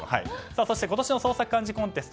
そして今年の創作漢字コンテスト